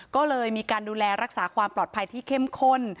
ก็เลยมีการดูแลรักษาความปลอดภัยที่เข้มข้น